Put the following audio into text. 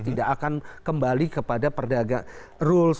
tidak akan kembali kepada peragangan